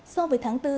so với tháng bốn